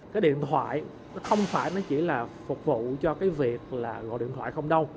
cái điện thoại nó không phải nó chỉ là phục vụ cho cái việc là gọi điện thoại không đâu